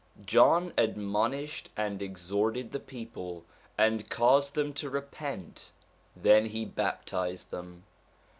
John admonished and exhorted the people, and caused them to repent, then he baptized them.